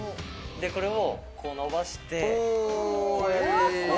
これをこう伸ばして。